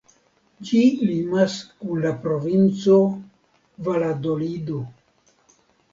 Ĝi limas kun la Provinco Valadolido.